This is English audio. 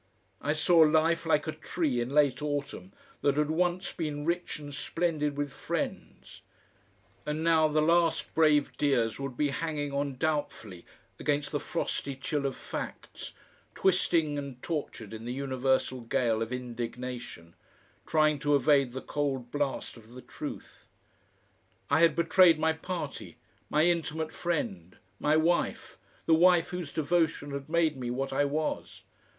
I saw life like a tree in late autumn that had once been rich and splendid with friends and now the last brave dears would be hanging on doubtfully against the frosty chill of facts, twisting and tortured in the universal gale of indignation, trying to evade the cold blast of the truth. I had betrayed my party, my intimate friend, my wife, the wife whose devotion had made me what I was.